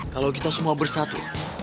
kalo kita semua bersatu